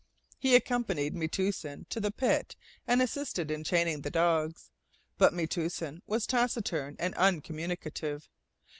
He accompanied Metoosin to the pit and assisted in chaining the dogs, but Metoosin was taciturn and uncommunicative.